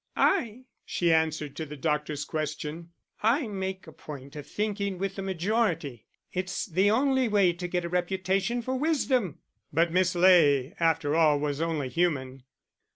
"I?" she answered to the doctor's question. "I make a point of thinking with the majority it's the only way to get a reputation for wisdom!" But Miss Ley, after all, was only human.